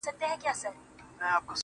د طبيعت دې نندارې ته ډېر حيران هم يم~